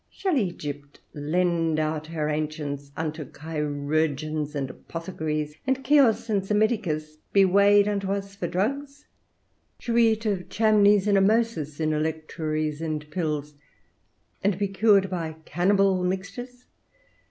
Shall Egypt lend out her ancients unto chirurgeons and apothecaries, and Cheops and Psammitticus be weighed unto us for drugs? Shall we eat of Chamnes and Amosis in electuaries and pills, and be cured by cannibal mixtures?